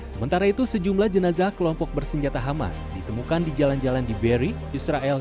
sementara itu sejumlah jenazah kelompok bersenjata hamas ditemukan di jalan jalan di beri israel